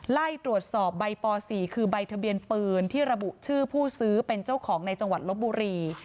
ไล่ตรวจสอบใบป๔คือใบทะเบียนปืนที่ระบุชื่อผู้ซื้อเป็นเจ้าของในจังหวัดลบบุรี